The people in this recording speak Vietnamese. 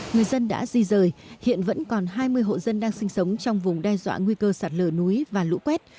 người dân đã di rời hiện vẫn còn hai mươi hộ dân đang sinh sống trong vùng đe dọa nguy cơ sạt lở núi và lũ quét